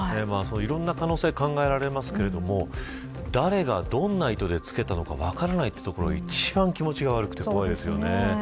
いろんな可能性考えられますけど誰がどんな意図で付けたのか分からないというところが一番気持ち悪くて怖いですよね。